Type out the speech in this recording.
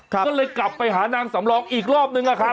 ก็เลยกลับไปหานางสำรองอีกรอบนึงอะครับ